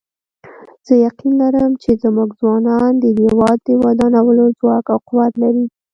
زه یقین لرم چې زموږ ځوانان د هیواد د ودانولو ځواک او قوت لري